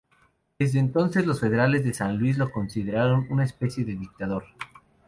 Desde entonces, los federales de San Luis lo consideraron una especie de dictador.